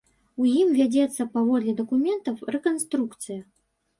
У ім вядзецца, паводле дакументаў, рэканструкцыя.